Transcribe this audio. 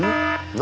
何？